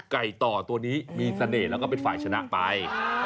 ต่อตัวนี้มีเสน่ห์แล้วก็เป็นฝ่ายชนะไป